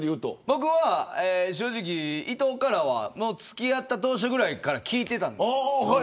僕は正直、伊藤からは付き合った当初ぐらいから聞いていました。